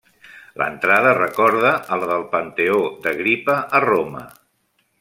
L'entrada recorda a la del Panteó d'Agripa a Roma.